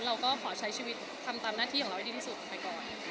เราก็ขอใช้ชีวิตทำตามหน้าที่ของเราให้ดีที่สุดไปก่อน